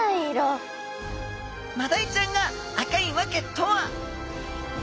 マダイちゃんが赤い訳とは！？